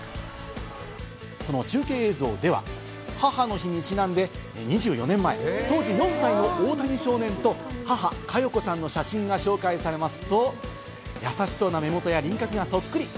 その中継映像では、母の日にちなんで、２４年前、当時４歳の大谷翔平と母・加代子さんの写真が紹介されますと、優しそうな目元や輪郭がそっくり！